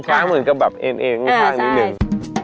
ช้างเหมือนกับแบบเอนข้างนิดนึง